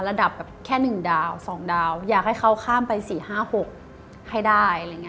ระดับแค่๑ดาว๒ดาวอยากให้เขาข้ามไป๔๕๖ให้ได้